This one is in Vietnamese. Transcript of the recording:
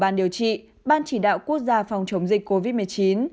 ban điều trị ban chỉ đạo quốc gia phòng chống dịch covid một mươi chín